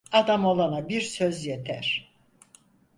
Adam olana bir söz yeter.